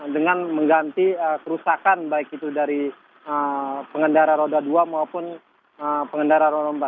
dengan mengganti kerusakan baik itu dari pengendara roda dua maupun pengendara roda empat